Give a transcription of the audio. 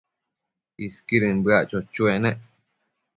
Isquidën bëac cho-choec nec